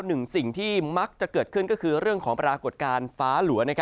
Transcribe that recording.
หนึ่งสิ่งที่มักจะเกิดขึ้นก็คือเรื่องของปรากฏการณ์ฟ้าหลัว